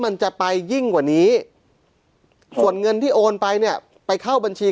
มันจะไปยิ่งกว่านี้ส่วนเงินที่โอนไปเนี่ยไปเข้าบัญชี